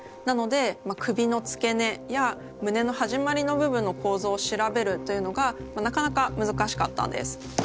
なので首の付け根や胸の始まりの部分の構造を調べるというのがなかなかむずかしかったんです。